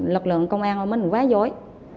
lực lượng công an ở mình quá dối